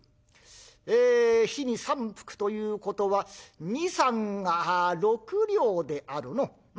ええ日に３服ということは２×３＝６両であるのう。